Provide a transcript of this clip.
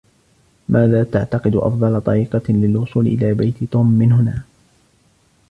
ماذا تعتقد أفضل طريقة للوصول إلى بيت توم من هنا ؟